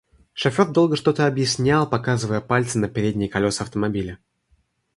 Шофёр долго что-то объяснял, показывая пальцем на передние колёса автомобиля.